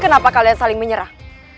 kenapa kalian saling menyerah